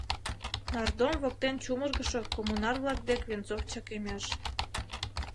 Нардом воктен чумыргышо коммунар-влак дек Венцов чакемеш.